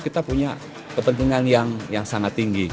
kita punya kepentingan yang sangat tinggi